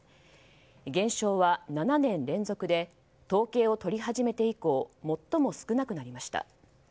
現象は７年連続で統計を取り始めて以降最も少なくなりました。